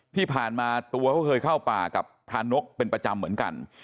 ที่ผ่านมาตัวเขาเคยเข้าป่ากับพระนกเป็นประจำเหมือนกัน